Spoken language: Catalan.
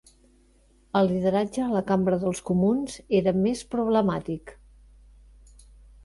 El lideratge a la Cambra dels Comuns era més problemàtic.